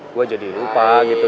gue jadi lupa gitu